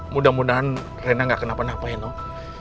mudah mudahan reyna gak kenapa napain noh